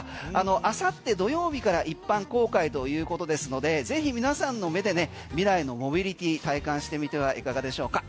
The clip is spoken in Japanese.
明後日土曜日から一般公開ということですのでぜひ、皆さんの目で未来のモビリティ体感してみてはいかがでしょうか？